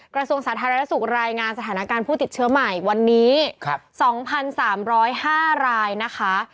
กระทรวงสาธารณสุขรายงานสถานการณ์ผู้ติดเชื้อใหม่วันนี้๒๓๐๕รายนะคะ